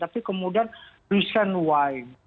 tapi kemudian reason why